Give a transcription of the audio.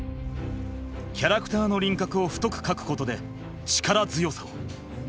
キャラクターの輪郭を太く描くことで力強さを。